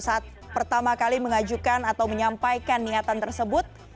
saat pertama kali mengajukan atau menyampaikan niatan tersebut